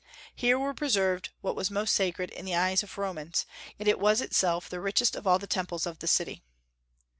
Here were preserved what was most sacred in the eyes of Romans, and it was itself the richest of all the temples of the city.